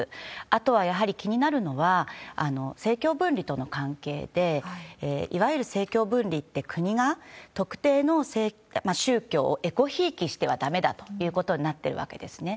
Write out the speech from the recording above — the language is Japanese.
あとはやはり気になるのは、政教分離との関係で、いわゆる政教分離って、国が特定の宗教をえこひいきしてはだめだということになってるんですね。